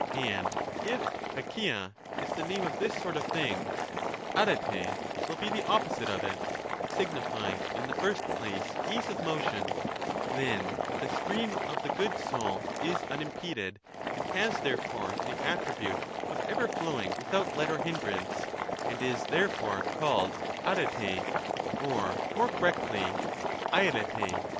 And if KaKia is the name of this sort of thing, aper q will be the opposite of it, signifying in the first place ease of motion, then that the stream of the good soul is unimpeded, and has therefore the attribute of ever flowing without let or hindrance, and is therefore called uptTTj, or, more correctly, deipeir?!